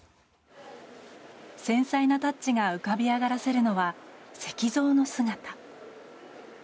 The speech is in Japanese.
繊細なタッチが浮かび上がらせるのは石像の姿。